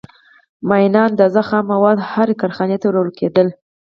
معینه اندازه خام مواد هرې کارخانې ته ورکول کېدل